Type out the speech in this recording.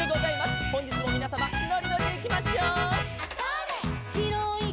「ほんじつもみなさまのりのりでいきましょう」